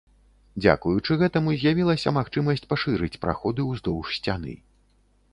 Дзякуючы гэтаму з'явілася магчымасць пашырыць праходы ўздоўж сцяны.